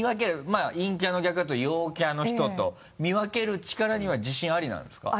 まぁ陰キャの逆だと陽キャの人と見分ける力には自信ありなんですか？